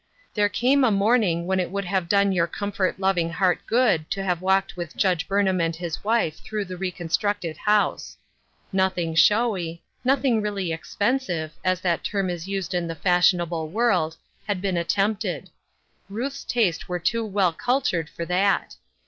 There came a morning when it would have done your comfort lo\'ing heart good to have walked with Judge Burnham and his wife through the reconstructed house ! Nothing showy ; notliing really expen sive, as that term is used in the fashionable world, had been attempted. Ruth's tastes were too well cultured for that.